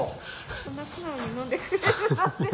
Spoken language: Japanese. こんな素直に飲んでくれるなんて。